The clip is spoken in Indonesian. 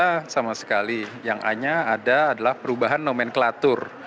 tidak ada sama sekali yang hanya ada adalah perubahan nomenklatur